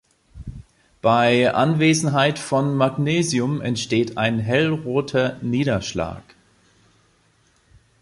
Bei Anwesenheit von Magnesium entsteht ein hellroter Niederschlag.